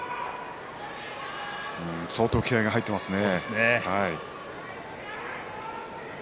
相当、気合いが入っていますね。